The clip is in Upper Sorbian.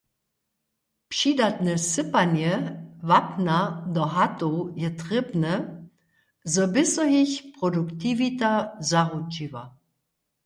Přidatne sypanje wapna do hatow je trěbne, zo by so jich produktiwita zaručiła.